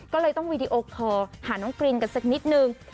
ก็เลยต้องวีดีโอคอลหาน้องกรีนกันสักนิดนึง